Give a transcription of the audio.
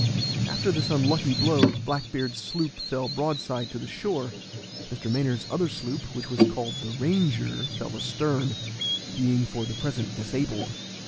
After this unlucky blow Black beard's sloop fell broadside to the shore; Mr. Maynard's other sloop, which was called the Ranger, fell astern, being for the present disabled.